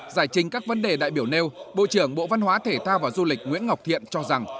giải trình các vấn đề đại biểu nêu bộ trưởng bộ văn hóa thể thao và du lịch nguyễn ngọc thiện cho rằng